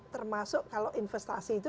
termasuk kalau investasi itu